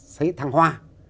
sấy thăng hoa